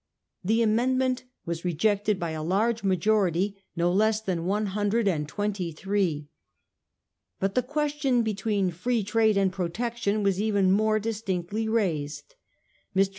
The amendment was rejected by a large majority, no less than one hundred and twenty three. But the question between Pree Trade and Protection was even more distinctly raised. Mr.